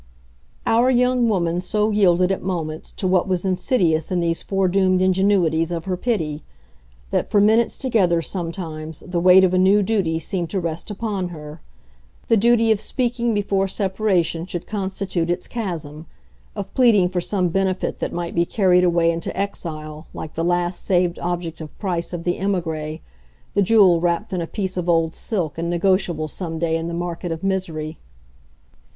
Our young woman so yielded, at moments, to what was insidious in these foredoomed ingenuities of her pity, that for minutes together, sometimes, the weight of a new duty seemed to rest upon her the duty of speaking before separation should constitute its chasm, of pleading for some benefit that might be carried away into exile like the last saved object of price of the emigre, the jewel wrapped in a piece of old silk and negotiable some day in the market of misery.